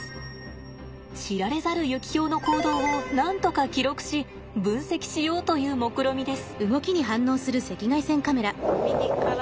知られざるユキヒョウの行動をなんとか記録し分析しようというもくろみです。